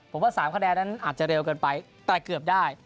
ผมว่า๓คะแนนนั้นอาจจะเร็วเกินไปแต่เกือบได้